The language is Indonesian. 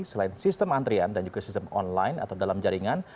selain sistem antrian dan juga sistem online atau dalam jaringan